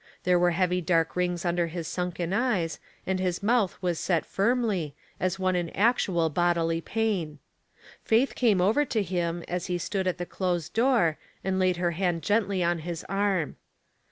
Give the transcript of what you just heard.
There were heavy dark rings under his sunken eyes, and his mouth was set firmly, as one in actual bodily pain. Faith came over to him, as he stood at the closed door, and laid her hand gently on his arm.